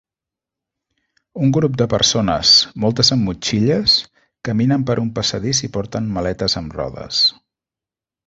Un grup de persones, moltes amb motxilles, caminen per un passadís i porten maletes amb rodes.